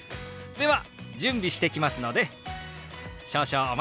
では準備してきますので少々お待ちください。